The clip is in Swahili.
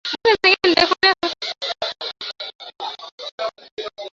Kimeta husababishwa na chembechembe ya bakteria ambayo inaweza kuishi katika udongo kwa kipindi kirefu